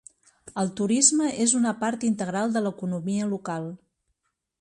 El turisme és una part integral de l'economia local.